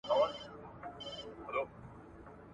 ځواني د اوبو د سیند په څېر تېرېږي.